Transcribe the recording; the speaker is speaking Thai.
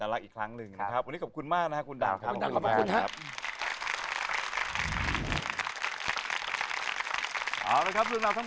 อยากอีกครั้งหนึ่งครับวันนี้ขอบคุณมากนะครับคุณด่่วนคืนค่ะ